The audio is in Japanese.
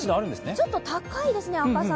ちょっと高いですね、赤坂。